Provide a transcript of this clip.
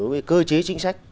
với cơ chế chính sách